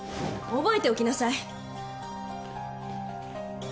覚えておきなさい。